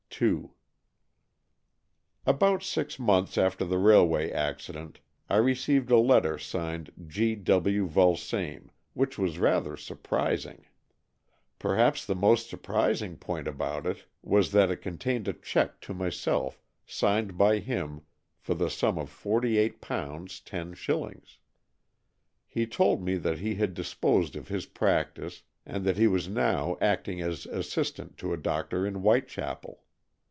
II About six months after the railway acci dent, I received a letter signed G. W. Vulsame, which was rather surprising. Per haps the most surprising point about it was 218 AN EXCHANGE OF SOULS that it contained a cheque to myself signed by him for the sum of forty eight pounds ten shillings. He told me that he had disposed of his practice, and that he was now acting as assistant to a doctor in Whitechapel.